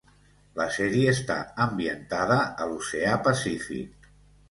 La sèrie està ambientada a l'Oceà Pacífic.